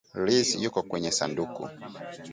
Lizzy yuko kwenye sanduku